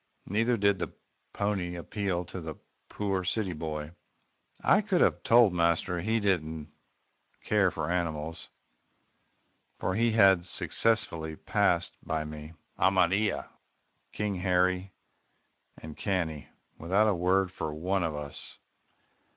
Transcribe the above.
Neither did the pony appeal to the poor city boy. I could have told master he didn't care for animals, for he had successively passed by me, Amarilla, King Harry, and Cannie, without a word for one of us.